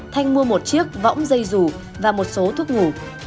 thanh mua một chiếc võng dây dù và một số thuốc ngủ